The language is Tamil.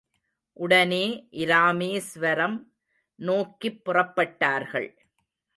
உடனே இராமேஸ்வரம் நோக்கிப் புறப்பட்டார்கள்.